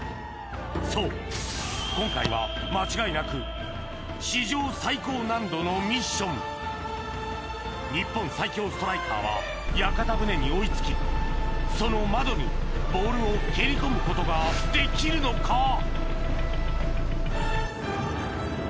そう今回は間違いなく日本最強ストライカーは屋形船に追い付きその窓にボールを蹴り込むことができるのか？